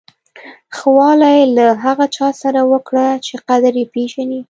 ښه والی له هغه چا سره وکړه چې قدر یې پیژني.